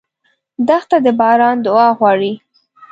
دښته د باران دعا غواړي.